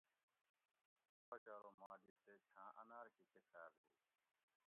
باچہ ارو مالی تے چھاں اناۤر کہ کچھال ھو